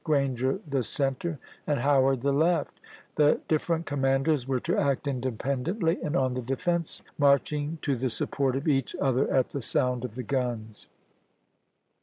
Grranger the center, and Howard the left. The differ S^cmdulft ent commanders were to act independently and on ^'^ 1*865 66.^'"' the defensive, marching to the support of each other nient, at the sound of the guns.